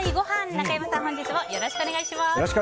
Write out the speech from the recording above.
中山さん、本日もよろしくお願いします。